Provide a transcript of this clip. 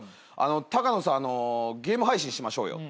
「高野さんゲーム配信しましょうよ」って言われて。